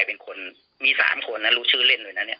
เอาส่งส่งไปเขาก็ไปตกอยู่หลังบ้าน